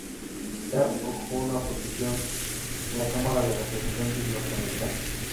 Hearst ocupó una posición en la Cámara de Representantes norteamericana.